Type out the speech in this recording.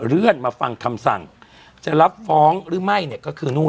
เลื่อนมาฟังคำสั่งจะรับฟ้องหรือไม่เนี่ยก็คือนู่น